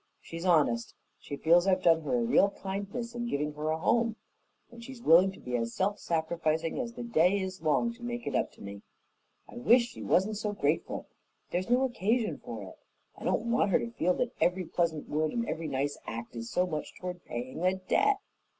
She's honest; she feels I've done her a real kindness in giving her a home, and she's willing to be as self sacrificing as the day is long to make it up to me. I wish she wasn't so grateful; there's no occasion for it. I don't want her to feel that every pleasant word and every nice act is so much toward paying a debt.